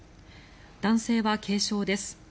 男性は軽傷です。